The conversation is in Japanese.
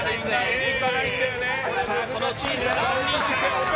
この小さな三輪車で。